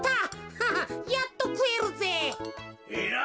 ハハッやっとくえるぜ。